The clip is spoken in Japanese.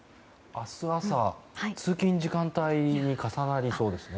明日朝、通勤時間帯に重なりそうですね。